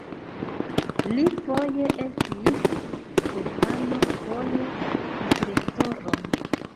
Li foje estis dekano, foje vicrektoro.